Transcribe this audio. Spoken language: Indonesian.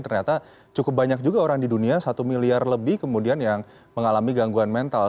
ternyata cukup banyak juga orang di dunia satu miliar lebih kemudian yang mengalami gangguan mental